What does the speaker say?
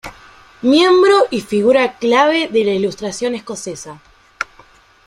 Miembro y figura clave de la Ilustración escocesa.